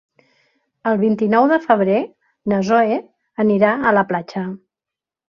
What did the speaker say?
El vint-i-nou de febrer na Zoè anirà a la platja.